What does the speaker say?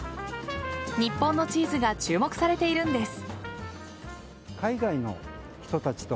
日本のチーズが注目されているんです。